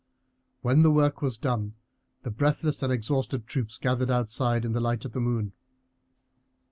When the work was done the breathless and exhausted troops gathered outside, in the light of the moon.